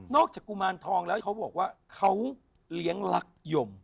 จากกุมารทองแล้วเขาบอกว่าเขาเลี้ยงรักยม